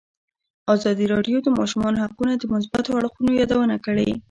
ازادي راډیو د د ماشومانو حقونه د مثبتو اړخونو یادونه کړې.